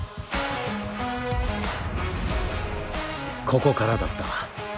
ここからだった。